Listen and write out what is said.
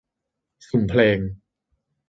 สุ่มเพลง